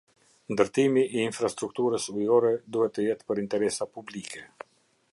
Ndërtimi i infrastrukturës ujore duhet të jetë për interesa publike.